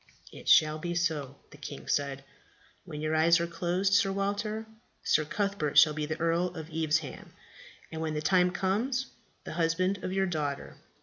"It shall be so," the king said. "When your eyes are closed, Sir Walter, Sir Cuthbert shall be Earl of Evesham, and, when the time comes, the husband of your daughter."